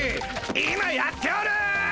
今やっておる！